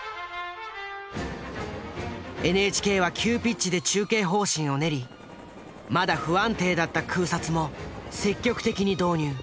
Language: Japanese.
ＮＨＫは急ピッチで中継方針を練りまだ不安定だった空撮も積極的に導入。